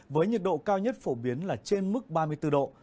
với nhiệt độ cao nhất phổ biến là trên mức ba mươi bốn độ